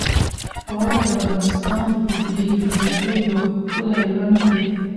واوره د افغانستان د طبیعي پدیدو یو ښکلی رنګ دی.